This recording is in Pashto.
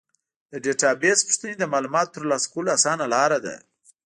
د ډیټابیس پوښتنې د معلوماتو ترلاسه کولو اسانه لاره ده.